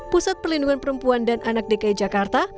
pusat perlindungan perempuan dan anak dki jakarta